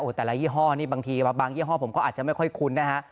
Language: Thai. แต่ละยี่ห้อนี่บางทีบางยี่ห้อผมก็อาจจะไม่ค่อยคุ้นนะฮะ